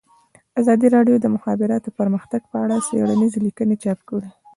ازادي راډیو د د مخابراتو پرمختګ په اړه څېړنیزې لیکنې چاپ کړي.